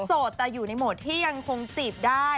โดดแต่อยู่ในโหมดที่ยังคงจีบได้